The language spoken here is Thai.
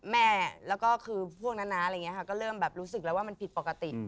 แม่แล้วก็คือพวกนั้นนะอะไรอย่างนี้ค่ะก็เริ่มแบบรู้สึกแล้วว่ามันผิดปกติ